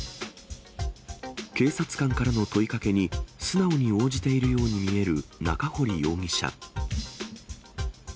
警察官からの問いかけに素直に応じているように見える中堀容疑者。